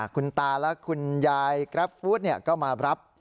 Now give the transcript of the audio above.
คุณตาและคุณยายกราฟฟู้ดก็มารับ